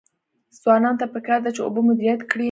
ځوانانو ته پکار ده چې، اوبه مدیریت کړي.